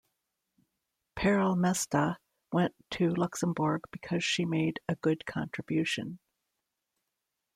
Perle Mesta went to Luxembourg because she made a good contribution.